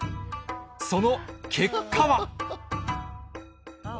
その結果は？